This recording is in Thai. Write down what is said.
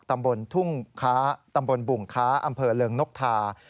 ตำบลทุ่งค้าตำบลบุ่งค้าอำเภอเริงนกทา